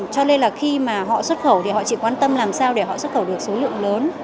cho nên là khi mà họ xuất khẩu thì họ chỉ quan tâm làm sao để họ xuất khẩu được số lượng lớn